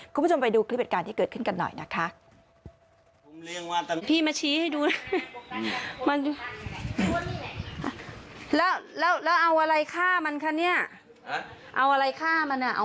คุณผู้ชมไปดูคลิปเหตุการณ์ที่เกิดขึ้นกันหน่อยนะคะ